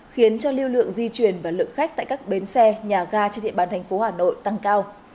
khiến cho lưu lượng di chuyển và lượng khách tại các bến xe nhà ga trên địa bàn thành phố hà nội tăng cao